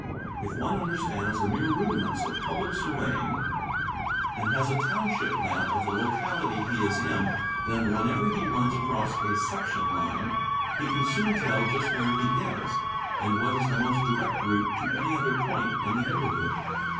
If one understands the merest rudiments of public surveying, and has a township map of the locality he is in, then, whenever he runs across a section line, he 198 CAMPING AND WOODCRAFT can soon tell just where he is, and what is the most direct route to any other point in the neighborhood.